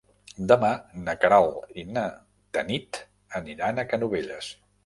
Demà na Queralt i na Tanit aniran a Canovelles.